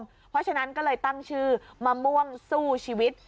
เพราะฉะนั้นก็เลยตั้งชื่อมะม่วงสู้ชีวิต